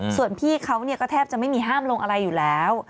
ส่วนพี่เขาก็แทบจะไม่มีห้ามลงอะไรอยู่แล้ว